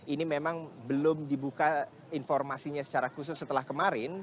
ini memang belum dibuka informasinya secara khusus setelah kemarin